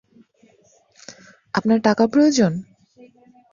আপনার টাকা প্রয়োজন?